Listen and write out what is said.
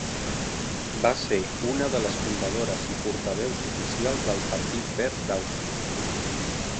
Va ser una de les fundadores i portaveus oficials del Partit Verd d'Àustria.